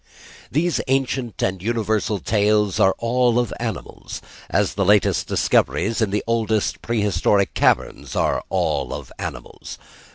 These ancient and universal tales are all of animals; as the latest discoveries in the oldest pre historic caverns are all of animals.